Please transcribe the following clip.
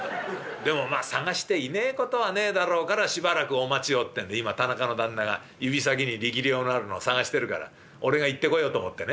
でもまあ探していねえ事はねえだろうからしばらくお待ちをってんで今田中の旦那が指先に力量のあるのを探してるから俺が行ってこようと思ってね」。